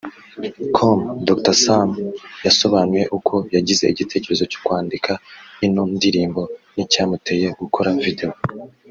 com Dr Sam yasobanuye uko yagize igitekerezo cyo kwandika ino ndirimo n’icyamuteye gukora video